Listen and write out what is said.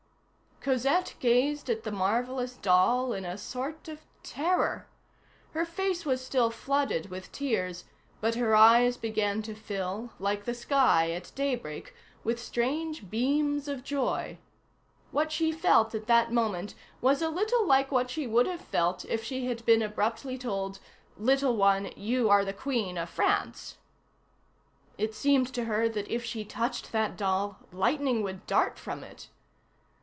Cosette gazed at the marvellous doll in a sort of terror. Her face was still flooded with tears, but her eyes began to fill, like the sky at daybreak, with strange beams of joy. What she felt at that moment was a little like what she would have felt if she had been abruptly told, "Little one, you are the Queen of France." It seemed to her that if she touched that doll, lightning would dart from it.